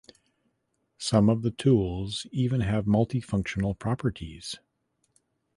Some of the tools even have multifunctional properties.